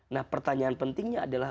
nah pertanyaan pentingnya adalah